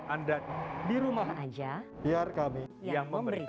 anda di rumah saja biar kami yang memberitakan